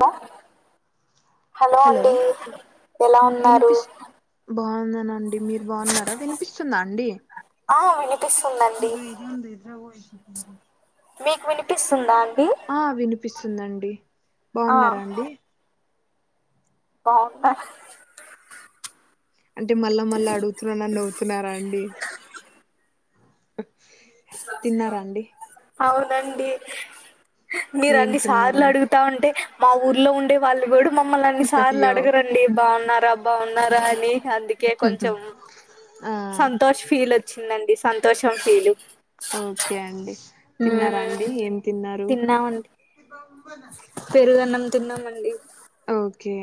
బా హలో అండి ఎలా ఉన్నారు వినిపిస్ బాగున్నానండి మీరు బాగున్నారా వినిపిస్తుందా అండి ఆ వు ఇకా ఇది ఉంది ఇదిరా ఓషికి మీకు వినిపిస్తుందా అం ఆ వినిపిస్తుందండి ఆ బాగున్నారా అండి బావున్నా అంటే మళ్ళా మళ్ళా అడుగుతున్నా అని నవ్వుతున్నారా అండి తిన్నారా అండి అవునండి మీరు ఏం అన్ని సార్లు తిన్నారండి అడుగుతా ఉంటే మా ఊర్లో ఉండే వాళ్ళు కూడు మమల్ని అన్ని సార్లు అయ్యో అడగరండి బాగున్నారా బాగున్నారా అని అందుకే కొంచెం ఆ సంతోష్ ఫీల్ వచ్చిందండి సంతోషం ఫీల్ ఓకే అండి తిన్నారా మ్మ్ అండి ఏం తిన్నారు తిన్నామండి పెరుగన్నం తిన్నామండి ఓకే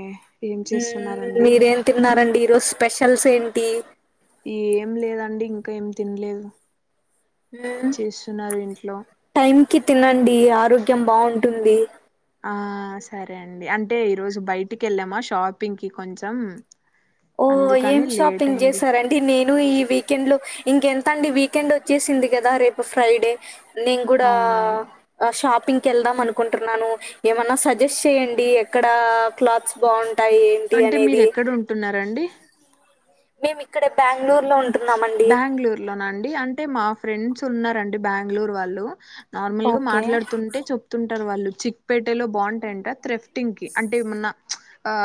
ఏం ఉమ్ మీరేం చేస్తున్నారండి మీరేం తిన్నారండి ఈరోజు స్పెషల్స్ ఏంటి ఏం లేదండి ఇంకా ఏం తినలేదు చేస్తున్నారు ఇంట్లో కి తినండి ఆరోగ్యం బాగుంటుంది ఆ సరే అండి అంటే ఈరోజు బయటికి వెళ్ళామా షాపింగ్కి కొంచెం ఓ అందుకని ఏం లేట్ షాపింగ్ అయింది చేస్తారండి నేను ఈ వీక్ వీకెండ్ లో ఇంకెంత అండి వీకెండ్ వచ్చేసింది కదా రేపు ఫ్రైడే నేను కూడా అవునవును ఆ షాప్ పింక్ వెళదాం అనుకుంటున్నాను ఏమన్నా సజెస్ట్ చేయండి ఎక్కడ క్లాత్స్ బాగు ఉంటాయి ఏంటి అనేది రండి మేము ఇక్కడే బ్యాం బెంగళూరు లోనండి అంటే మా ఫ్రెండ్స్ ఉన్నారండి బెంగళూరు వాళ్ళు నార్మల్ గా ఓకే మాట్లాడుతుంటే చెప్తు టారు వాళ్ళు చిక్పేటెలో బాగుంటాయంట త్రెఫ్టింగ్ కి అంటే ఏమన్నా ఆ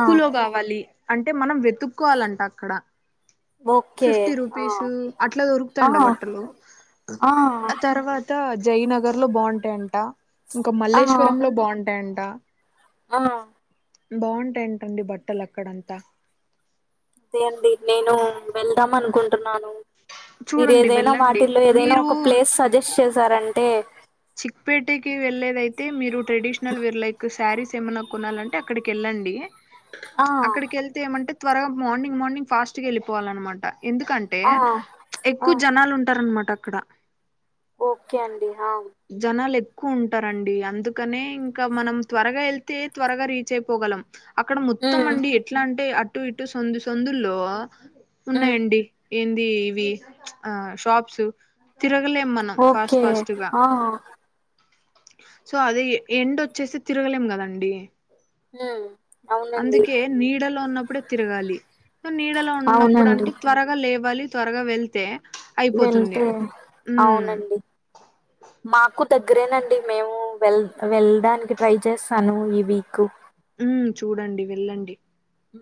ఆ కావాలి అంటే మనం వెతుక్కోవాలంట అక్కడ ఓకే ఫిఫ్టీ ఆ రూపీసు అట్లా ఆ దొరుకుతాండ బట్టలు ఆ తర్వాత జయనగర్ లో బాగుంటాయంట ఇంకా ఆ మల్లేశ్వరం లో బాగుంటాయంట ఆ బాగుంటాయింటండి బట్టలు అక్కడంతా అదే అండి నేను వెళ్దాం అనుకుంటున్నాను మీరు చూడండి ఏదైనా వెళ్ళండి వాటిల్లో ఏదైనా మీరు ఒక ప్లేస్ సజెస్ట్ చేసారంటే చిక్పేటకి వెళ్ళలేదయితే మీరు ట్రెడిషనల్ వేర్ లైక్ శారీస్ సే ఏమన్నా కొనాలంటే అక్కడికి వెళ్ళండి ఆ అక్కడికి వెళ్తే ఏమంటే త్వరగా మార్నింగ్ మార్నింగ్ ఫాస్ట్గా వెళ్ళిపోవాలన్నమాట ఎందుకంటే ఆ ఆ ఎక్కువ జనాలు ఉంటారనమాట అక్కడ ఓకే అండి ఆ జనాలు ఎక్ తక్కువ ఉంటారంండి అందుకనే ఇంకా మనం త్వరగా వెళ్తే త్వరగా రీచ్ అయిపోగలం అక్కడ మొత్తం ఉమ్ అండి ఎట్లా అంటే అటు ఇటు సొందు సందుల్లో ఉమ్ ఉన్నాయండి ఏంది ఇవి ఆ షాప్స్ తిరగలేం మనం ఫాస్ట్ ఓకే ఫాస్ట్ గా ఆ సో అదే ఎండ్ వచ్చేసి తిరగలేం కదండి నా అందుకే నీడలో ఉన్నప్పుడే తిరగాలి సో నీడలో ఉన్నప్పుడు అవునండి అంటే త్వరగా లేవాలి త్వరగా వెళ్తే అయిపోతుంది వెళ్తే ఉమ్ అవునండి మాకు దగ్గరేనండి మేము వెల్ వెళ్ళడానికి ట్రై చేస్తాను ఈ వీక్ ఉ చూడండి వెళ్ళండి ఉ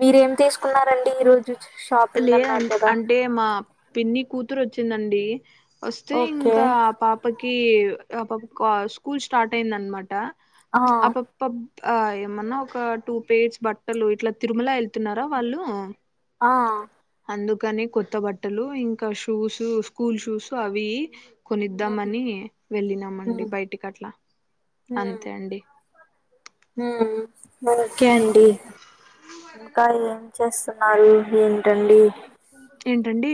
మీరేం తీసుకున్నండి ఈ రోజు షాపింగ్ లేద అన్నారు అన్ కదా అంటే మా పిన్ని కూతురు వచ్చిందండి వస్తే ఓకే ఇంకా ఆ పాపకి ఆ పాప కా స్కూల్ స్టార్ట్ అయింది అనమాట ఆ ప పప్ ఆ ఏమన్నా ఒక టూ పెయిర్స్ బట్టలు ఇట్లా తిరుమల వెళ్తున్నారా వాళ్ళు ఆ కానీ కొత్త బట్టలు ఇంకా షూస్ స్కూల్ షూస్ అవి ఉమ్ కొనిద్దామని వెళ్ళినామండి ఉమ్ బయటికి అట్లా అంతే అండి ఉ ఓకే అండి ఇంకా ఏం చేస్తున్నారు ఏంటండి అండి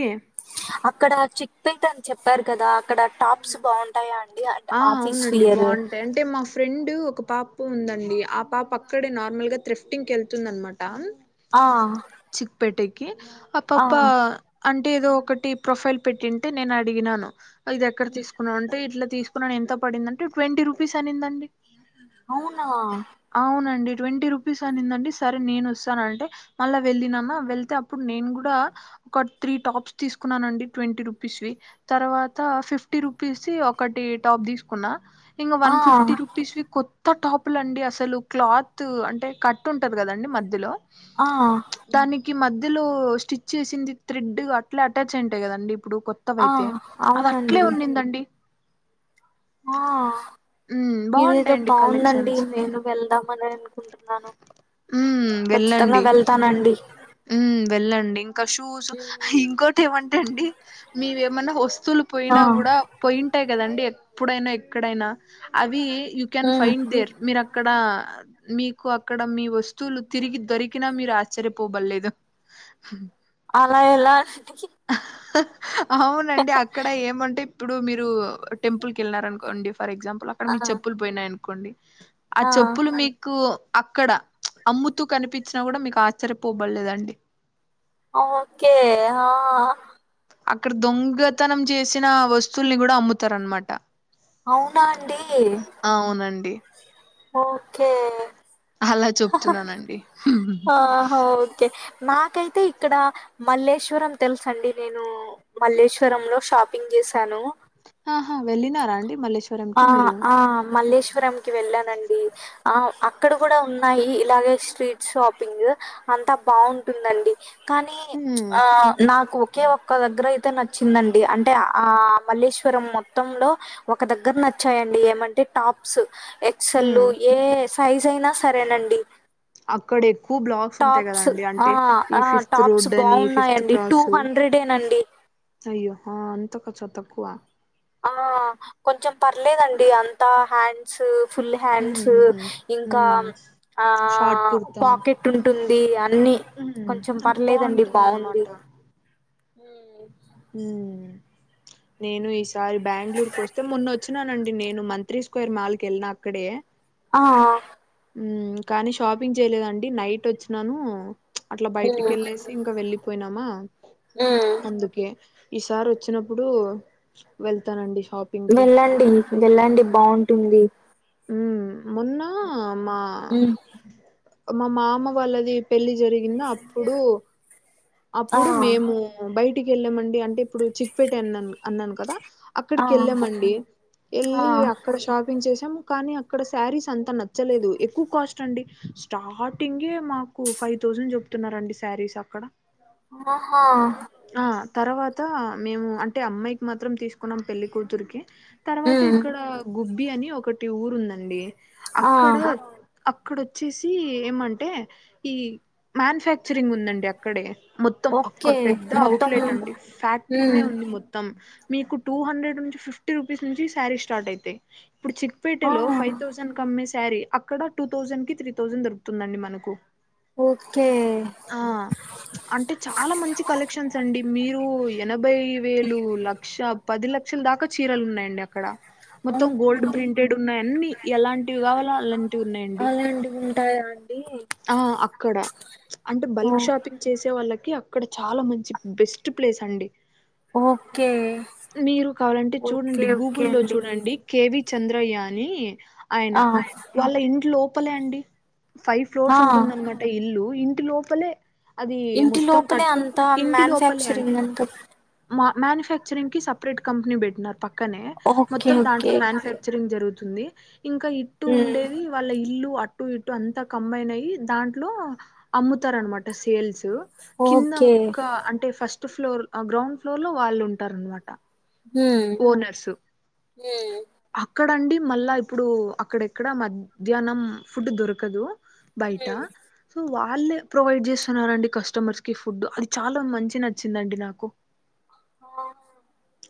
అక్కడ చిక్పోయిట్ అని చెప్పారు కదా ఇక్కడ టాప్స్ బాగుంటాయా అండి అం ఆ ఆఫీస్ అవునండి ఫియరు బాగుంటాయి అంటే మా ఫ్రెండ్ ఒక పాపు ఉందండి ఆ పాప అక్కడే నార్మల్ గా త్రిఫ్టింగ్ వెళ్తుంది అనమాట ఆ చిక్పేటకి ఆ పాప్ప అన్ టే ఏదో ఒకటి ప్రొఫైల్ పెట్టింటే నేను అడిగినాను ఇది ఎక్కడ తీసుకున్నా అంటే ఇట్లా తీసుకున్నాని ఎంతో పడిందంటే ట్వంటీ రూపీస్ అనిందండి అవునా అవునండి ట్వంటీ రుపీస్ అనిందండి సరే నేను వస్తాన అంటే మళ్ళా వెళ్ళినమా వెళ్తే అప్పుడు నేను కూడా ఒక త్రీ టాప్స్ తీసుకున్నానండి ట్వంటీ రూపీస్ తర్వాత ఫిఫ్టీ రూ రుపీస్ ది ఒకటి టాప్ తీసుకున్న ఇంగ ఆ వన్ ఫిఫ్టీ రూపీస్ కొత్త టాపులు అండి అస అసలు క్లాత్ అంటే కట్ ఉంటది కదండి మధ్యలో ఆ కి మధ్యలో స్టిచ్ చేసింది త్రెడ్ అట్లే అటాచ్ అయింటాయి కదండి ఇప్పుడు ఆ కొత్తవయితే అవి అట్లే అవునండి ఉన్నిందండి ఆ హ్మ్. ఇదేదో బావుంటాయండి బావుదండి కలెక్షన్స్. నేను వెళ్దామని అని అనుకుంటున్నాను హ్మ్. ఖచ్చితంగా వెళ్తానండి ఉ వెళ్ళండి ఇంకా షూస్ హ్మ్. ఇంకోటి ఏమంటే అండి మీవేమన్నా వస్ స్తులు ఆ పోయినా కూడా పోయింటాయి కదండి ఎప్పుడైనా ఎక్కడైనా అవి you can hmm find there మీరా అక్కడ మీకు అక్కడ మీ వస్తువులు తిరిగి దొరికినా మీరు ఆశ్చయ పో బల్లేదు అలా ఎలా అవునండి అక్కడ ఏమంటే ఇప్పుడు మీరు టెంపుల్ కి వెళ్ళరు అనుకోండి ఫర్ ఎగ్జాంపుల్ అక్కడ మీ చెప్పులు పోయినాయి అనుకోండి ఆ చెప్పులు మీకు అక్కడ అమ్ముతూ కనిపించినా కూడా మీకు ఆశ్చర్యపోబడలేదండి ఓకే ఆ అక్కడ దొంగతనం చేసిన వస్తువుల్ని కూడా అమ్ముతారనమాట అవునా అండి అవునండి ఓకే అలా చెప్తున్నానండి ఆహా ఓకే నాకైతే ఇక్కడ మల్లేశ్వరం తెలుసు అండి నేను మల్లేశ్వరం లో షాపింగ్ చే చేశాను ఆహా వెళ్ళినారా అండి మల్లేశ్వరంకి మీరు ట్రామ్ కి వెళ్ళాం అండి ఆ అక్కడ కూడా ఉన్నాయి ఇలాగే స్ట్రీట్ షాపింగ్ అంతా బాగుంట టుందండి కానీ ఉమ్ ఆ నాకు కే ఒక దగ్గర అయితే నచ్చిందండి అంటే ఆ మల్లేశ్వరం మొత్తంలో ఒక దగ్గర నచ్చ చ్చాయండి ఏమంటే టాప్స్ ఎక్సల్ ఉమ్ ఏ సైజ్ అయినా సరేనండి అక్కడ ఎక్కువ బ్లాక్స్ ఉంటాయి టాప్స్ కదాండి ఆ అంటే ఈ ఆ ఫిఫ్త్ టాప్స్ రోడ్ అని ఫిఫ్త్ బాగున్నాయండి టూ క్రాస్ హండ్రెడేనండి అయ్యో అంత కాచ్చ తక్కువ ఆ కొంచెం పర్లేదండి అంతా హ్యాండ్స్ ఫుల్ హ్యాండ్స్ ఉహు ఇంకా ఉమ్ ఆ షార్ట్ కుర్తా పాకెట్ ఉంటుంది అన్ని ఉమ్ కొంచెం అంటే పర్లేదండి బాగుంది బాగుంటుందన్నమాట హ్మ్ హ్మ్ నేను ఈసారి బెంగళూరుకి వస్తే మొన్న వచ్చినానండి నేను మంత్రి స్క్వేర్ మాల్ క వెళ్ళనా అక్కడే ఆ మ్మ్ కానీ షాపింగ్ చేయలేదండి నైట్ వచ్చినాను అట్లా బయటికి వెళ్ళేసి ఇంకా వెళ్ళి పోయినామా ఉమ్ అందుకే ఈసారి వచ్చినప్పుడు వెళ్తానండి షాపింగ్కి వెళ్ళండి వెళ్ళండి బాగుంటుంది మ్మ్ మోన్న మా ఉమ్ మా మామ వాళ్ళది పెళ్లి జరిగినా అప్పుడు ఆ అప్పుడు మేము బయటికి వెళ్ళామండి అంటే ఇప్పుడు చిక్పేట అన్నా అన్నాను కదా ఆ అక్కడికి వెళ్ళామండి ఆ వెళ్ళి అక్కడ షాపింగ్ చేసి కానీ అక్కడ శారీస్ అంత నచ్చలేదు ఎక్కువ కాస్ట్ అండి స్టార్టింగే మాకు ఫైవ్ థౌసండ్ చెప్తున్నారండి శారీస్ అక్కడ ఆహా ఆ తర్వాత మేము అంటే అమ్మాయికి మాత్రం తీసుకున్నాం పెళ్ళికూతురికి తర్వాత ఉమ్ ఇక్కడ గుబ్బి అని ఒకటి ఊరు ఉందండి ఆ అక్కడొచ్చేసి ఏమంటే ఈ మ్యానుఫ్యాక్చరింగ్ ఉందండి అక్కడే మొత్తం అక్కడ ఓకే పెద్ద మొత్తం అవుట్లెట్ అండి ఫ్యాక్టరీనే ఉమ్ ఉంది మొత్తం మీకు టూ హండ్రెడ్ నుంచి ఫిఫ్టీ రూపీస్ నుంచి శారీ స్టార్ట్ అయితాయి ఇప్పుడు ఆ చిక్పేటలో ఫైవ్ థౌజండ్ కమ్సే సరీ అక్కడ టూ థౌసండ్ కి త్రీ థౌసండ్ దొరుకుతుందండి మనకు ఓకే ఆ అంటే చాలా మంచి కలెక్షన్స్ అండి మీరు ఎనభై వేలు లక్ష పది లక్షల దాకా చీరలు ఉన్నాయండి అక్కడ మొత్తం అవునా గోల్డ్ అండి ప్రింటెడ్ ఉన్నాయి అన్ని ఎలాంటివి కావాలో అలాన్ అలాంటివి ఉంటాయా ఆ అక్కడ అంటే ఓ బల్క్ షాపింగ్ చేసే వాళ్ళకి అక్కడ చాలా మంచి బెస్ట్ ప్లేస్ అండి ఓకే మీరు కావాలంటే ఓకే చూడండి ఓకే గూగుల్లో అండి చూడండి కేవి చంద్రయ్య అని ఆయన ఆ వాళ్ళ ఇంట్ లోపలే అండి ఫై ఫ్లోర్స్ ఆ ఉంటుందనమాట ఇల్లు ఇంటి లోపలే అది ఇంటి మొత్తం లోపలే కట్ అంతా ఇంటి లోపలే అం మ్యానుఫ్యాక్చరింగ్ అంతా మా మ్యానుఫ్యాక్చరింగ్ కి సపరేట్ కంపెనీ పెట్టినారు పక్కనే ఓకే మొత్తం దాంట్లో ఓకే మ్యానుఫ్యాక్చరింగ్ జరుగు తుంది ఇంకా ఇటు ఉమ్, ఉండేది వాళ్ళ ఇల్లు అటు ఇటు అంతా కంబైన్ అయి దాంట్లో అమ్ముతారనమాట సేల్స్ కింద ఓకే ఒక్క అంటే ఫస్ట్ ఫ్లోర్ గ్రౌండ్ ఫ్లోర్ లో వాళ్ళు ఉంటారనమాట ఉమ్, ఓనర్సు ఉమ్, ఇక్కడ అండి మళ్ళా ఇప్పుడు అక్కడెక్కడ మధ్యాహ్నం ఫుడ్ దొరకదు బయట ఉమ్. సో వా వాళ్ళే ప్రొవైడ్ చేస్తున్నరండి కస్టమర్స్ కి ఫుడ్ అది చాలా మంచి నచ్చిందండి నాకు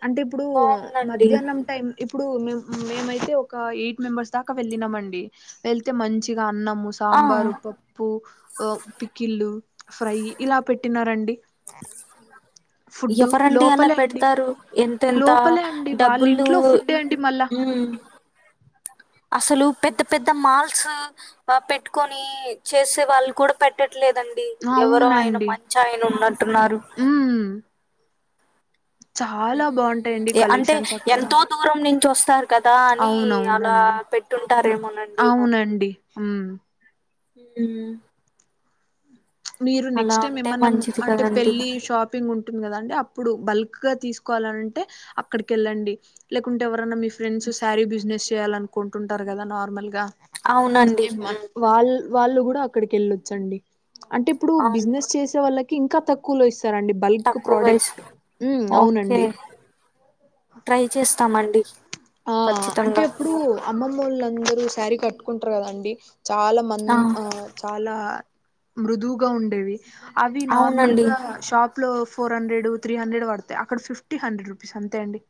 అంటే ఇప్పుడు బాగుందండి మధ్యానం టైం ఇప్ అప్పుడు మేం మేమైతే ఒక ఎయిట్ మెంబర్స్ దాకా వెళ్ళినామండి వెళ్తే మంచిగా అన్నం ఆ సాంబారు పప్పు పికిల్లు ఫ్రై ఇలా పెట్టినారండి ఫుడ్ ఎవరండి అలా లోపలే అండి పెడతారు ఎంతెంత లోపలే అండి వాళ్ళ డబ్బులు ఇంట్లో ఫుడ్డే అండి మళ్ళా మ్మ్ అసలు పెద్ద పెద్ద మాల్స్ పెట్టుకొని చేసే వాళ్ళు కూడా పెట్టట్ ట్లేదండి ఎవరో ఆయన అవునండి మంచాయన ఉన్నట్టున్నారు ఉమ్ చాలా బాగుంటాయండి అంటే కలెక్షన్స్ అక్కడ ఎంతో దూరం నుంచి వస్తారు కదా అని అలా అవునవునండి పెట్టుంటారేమోనండి వా మ్మ్ మ్మ్ మీరు అలా నెక్స్ట్ టైమ్ ఉంటే ఏమన్నా మంచిది అంటే కదండి పెళ్ళి షాపింగ్ ఉన్ టది కదండి అప్పుడు బల్క్ గా తీసుకోవాలంటే అక్కడికి వెళ్ళండి లేకుంటే ఎవరన్నా మీ ఫ్రెండ్స్ శారీ బిజినెస్ చేయాలనుకుంటుంటారు కదా నార్మల్ గా అవునండి మ్మ్ వాళ్ వాళ్ళు కూడా అక్కడికి ఎళ్ళొచ్చండి అంటే ఇప్పుడు అవును బిజినెస్ చేసే వాళ్ళకి ఇంకా తక్కువలో ఇస్ తారండి బల్క్ తక్కువ వయసు ప్రోడక్ట్ ఓకే ట్రై చేస్తామండి ఆ అంటే ఖచ్చితంగా ఎప్పుడు అమ్మమ్మోళ్ళ అందరూ శారీ కట్టుకుంటారు కదండి చాలా మన్ ఆ చాలా మృదువుగా ఉండేవి అవి నార్మల్ అవునండి గా షాప్ లో ఫోర్ హండ్రెడ్ త్రీ హండ్రెడ్ పడతాయి అక్కడ ఫిఫ్టీ హండ్రెడ్ రూపీస్ అంతే అండి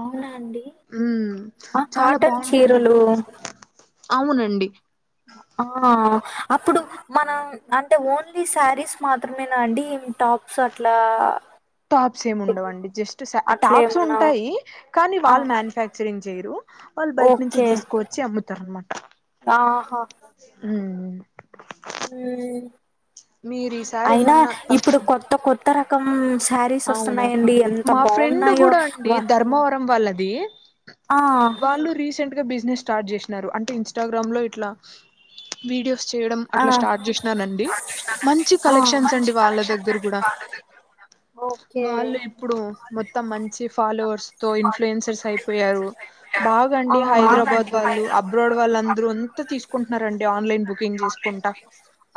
అవునా అండి మ్మ్ ఆ చాలా కాటన్ బాగుంటున్నట్ చీరలు అవునండి ఆ అప్పుడు మనం అంటే ఓన్లీ శారీస్ మాత్రమేనా అండి ఎన్ టా టాప్స్ అట్లా టాప్స్ ఏమి ఉండవండి జస్ట్ స అట్లా టాప్స్ ఏమన్నా ఉంటాయి కానీ ఆ! వాళ్ళు మ్యానుఫ్యాక్చరింగ్ చేయిరు వాళ్ళు బయట నుంచి ఓకే. తీసుకువచ్చి అమ్ముతారనమా ఆహా మ్మ్ మ్మ్ ఈసారి అయినా ఏమన్నా ఇప్పుడు తప్ కొత్త కొత్త రకం శారీస్ అవును వస్తున్నాయండి ఎంత మా ఫ్రెండ్ బావున్నాయో. కూడా వ అండి ధర్మవరం వాళ్ళది ఆ! వాళ్ళు రీసెంట్ గా బి బ స్టార్ట్ చేసినారు అంటే ఇన్స్టాగ్రామ్ లో ఇట్లా వడియో చేయడం ఆ! అట్లా స్టార్ట్ చేసినానండి మంచి ఆ! కలెక్షన్స్ అండి వాళ్ళ దగ్గర కూడా ఓకే. వాళ్ళు ఇప్పుడు మొత్తం మంచి ఫాలోవర్స్ తో ఇన్ఫ్లుయెన్సర్స్ అయిపోయారు బాగండి ఆ! హైదరాబాద్ వాళ్ళు అబ్రాడ్ వాళ్ళు అందరూ అంతా తీసుకుంటున్నారండి ఆన్లైన్ బుకింగ్ చేసుకుంటా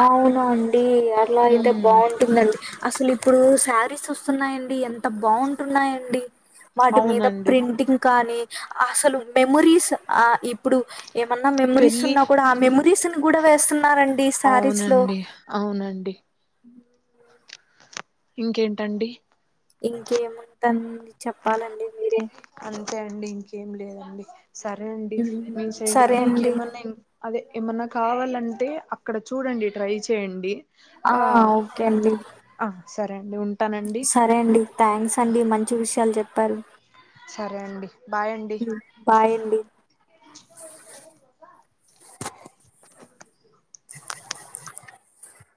అవునా అండి అలా అయితే ఉమ్ బాగుంటుందండి అసలు ఇప్పుడు శారీస్ వస్తున్నాయండి ఎంత బాగుంటున్నాయండి వాటి మీద అవునండి ప్రింటింగ్ కానీ అసలు మెమొరీస్ ఆ ఇప్పుడు ఏమన్నా మెమరీస్ పెళ్ళి ఉన్నా కూడా ఆ మెమరీస్ ని కూడా నారా అండి శారీస్ లో అవునండి అవునండి ఇంకేంటండి ఇంకేముందని చెప్పాలండి మీరే అంతే అండి ఇంకేం లేదండి సరే అండి హ్మ్. మీ సైడ్ సరే అండి. మీకేమన్నా అదే ఏమన్నా కావాలంటే అక్కడ చూడండి ట్రై చేయండి ఆ ఓకే అండి. ఆ సరే అండి ఉంటానండి సరే అండి థ్యాంక్స్ అండి మంచి విషయాలు చెప్పారు సరే అండి బాయ్ అండి బాయ్ అండి చె